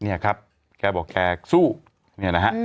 สีวิต้ากับคุณกรนิดหนึ่งดีกว่านะครับแฟนแห่เชียร์หลังเห็นภาพ